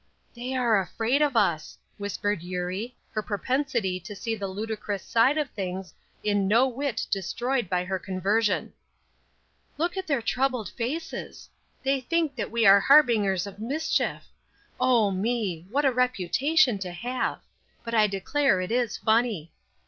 "They are afraid of us," whispered Eurie, her propensity to see the ludicrous side of things in no whit destroyed by her conversion. "Look at their troubled faces; they think that we are harbingers of mischief. Oh me! What a reputation to have! But I declare it is funny."